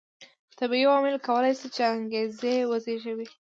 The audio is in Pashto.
طبیعي عواملو کولای شول چې انګېزې وزېږوي.